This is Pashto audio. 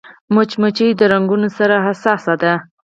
مچمچۍ د رنګونو سره حساسه ده